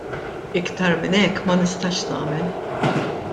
Iktar minn hekk ma nistax nagħmel.